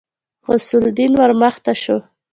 غوث الدين ورمخته شو.